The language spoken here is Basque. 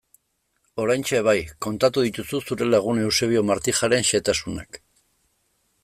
Oraintxe bai, kontatu dituzu zure lagun Eusebio Martijaren xehetasunak...